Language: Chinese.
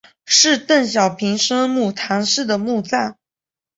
是邓小平生母谈氏的墓葬。